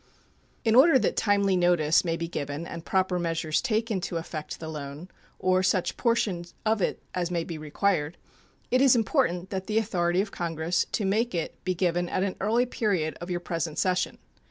In order that timely notice may be given and proper measures taken to effect the loan, or such portion of it as may be required, it is important that the authority of Congress to make it be given at an early period of your present session.